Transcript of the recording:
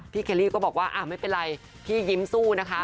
เคลลี่ก็บอกว่าไม่เป็นไรพี่ยิ้มสู้นะคะ